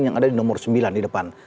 yang ada di nomor sembilan di depan